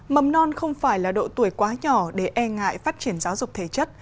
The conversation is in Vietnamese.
mầm non không phải là độ tuổi quá nhỏ để e ngại phát triển giáo dục thể chất